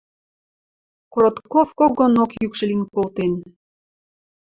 Коротков когонок йӱкшӹ лин колтен.